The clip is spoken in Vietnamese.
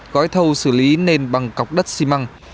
gói thầu xử lý nền bằng cọc đất xi măng